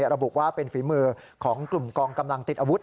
ระบุว่าเป็นฝีมือของกลุ่มกองกำลังติดอาวุธ